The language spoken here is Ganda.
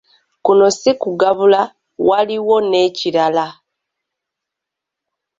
Kuno si kugabula waliyo n'ekirala!